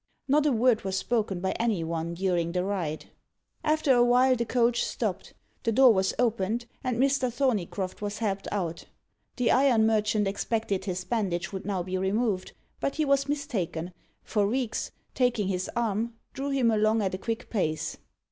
Not a word was spoken by any one during the ride. After a while, the coach stopped, the door was opened, and Mr. Thorneycroft was helped out. The iron merchant expected his bandage would now be removed, but he was mistaken, for Reeks, taking his arm, drew him along at a quick pace.